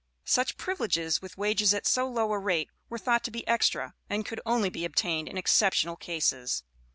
Such privileges, with wages at so low a rate, were thought to be extra, and could only be obtained in exceptional cases.